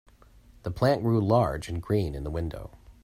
The plant grew large and green in the window.